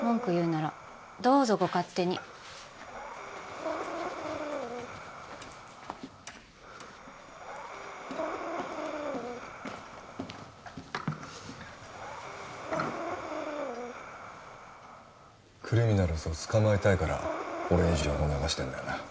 文句言うならどうぞご勝手にクリミナルズを捕まえたいから俺に情報を流してるんだよな？